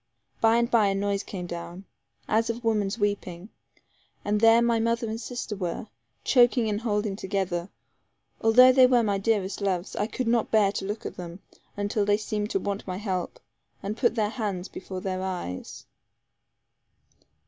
By and by, a noise came down, as of woman's weeping; and there my mother and sister were, choking and holding together. Although they were my dearest loves, I could not bear to look at them, until they seemed to want my help, and put their hands before their eyes.